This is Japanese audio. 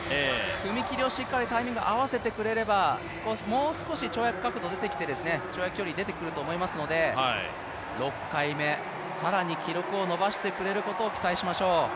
踏み切りをしっかりタイミング合わせてくれればもう少し跳躍角度が出てきて、跳躍距離が出てくると思いますので、６回目、更に記録を伸ばしてくれることを期待しましょう。